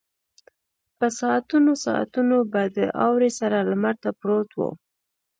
په ساعتونو ساعتونو به د اوړي سره لمر ته پروت و.